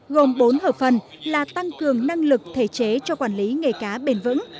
gồm bốn hợp phần là tăng cường năng lực thể chế cho quản lý nghề cá bền vững